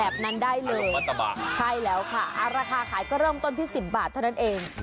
แบบนั้นได้เลยใช่แล้วค่ะราคาขายก็เริ่มต้นที่๑๐บาทเท่านั้นเอง